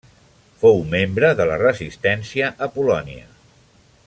Fou membre de la Resistència a Polònia.